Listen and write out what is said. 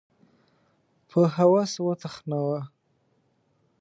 په هوس وتخناوه